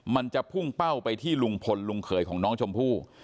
มันจะพุ่งเป้าไปที่ลุงพลลุงเขยของน้องชมพู่